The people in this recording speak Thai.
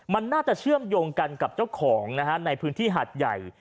มันน่าจะเชื่อมโยงกันกับเจ้าของนะฮะในพื้นที่หาดใหญ่